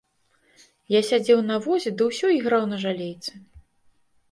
Я сядзеў на возе ды ўсё іграў на жалейцы.